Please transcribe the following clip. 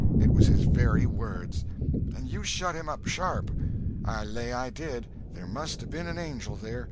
It was his very words!" "And you shut him up sharp." "I lay I did! There must 'a' been an angel there.